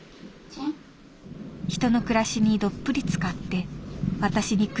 「人の暮らしにどっぷりつかって私にくっついて眠る」。